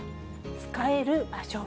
使える場所は？